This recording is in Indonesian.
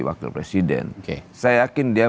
wakil presiden saya yakin dia